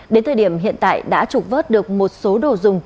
đến thời điểm hiện tại đã trục vớt được một số đồ dùng